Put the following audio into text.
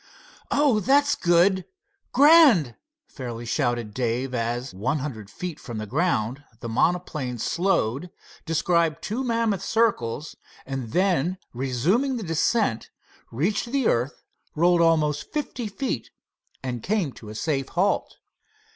"Oh, that's good—grand!" fairly shouted Dave, as, one hundred feet from the ground, the monoplane slowed, described two mammoth circles, and then resuming the descent, reached the earth, rolled almost fifty feet, and came to a safe halt.